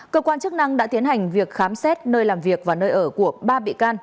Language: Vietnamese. cơ quan chức năng đã tiến hành việc khám xét nơi làm việc và nơi ở của ba bị can